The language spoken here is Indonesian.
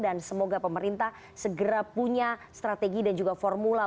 dan semoga pemerintah segera punya strategi dan juga formula